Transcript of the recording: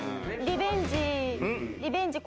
リベンジ